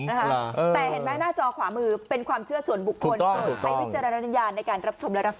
นะฮะแต่เห็นไหมหน้าจอขวามือเป็นความเชื่อส่วนบุคคลโปรดใช้วิจารณญาณในการรับชมและรับฟัง